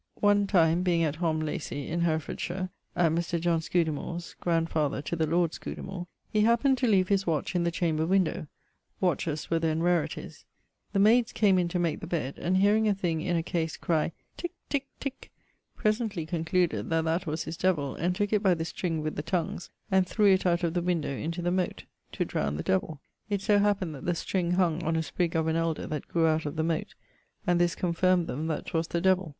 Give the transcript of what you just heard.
One time being at Hom Lacy in Herefordshire, at Mr. John Scudamore's (grandfather to the lord Scudamor), he happened to leave his watch in the chamber windowe (watches were then rarities) The maydes came in to make the bed, and hearing a thing in a case cry Tick, Tick, Tick, presently concluded that that was his Devill, and tooke it by the string with the tongues, and threw it out of the windowe into the mote (to drowne the Devill.) It so happened that the string hung on a sprig of an elder that grew out of the mote, and this confirmed them that 'twas the Devill.